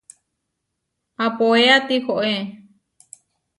Apoéa tihoé.